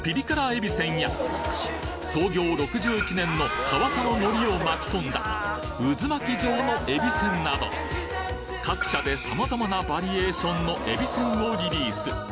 びせんや創業６１年のカワサの海苔を巻き込んだ渦巻き状のえびせんなど各社で様々なバリエーションのえびせんをリリース